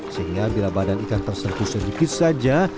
sehingga bila badan ikan terserpu sedikit saja